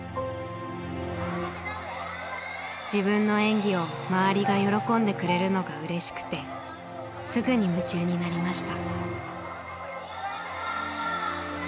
自分の演技を周りが喜んでくれるのがうれしくてすぐに夢中になりました。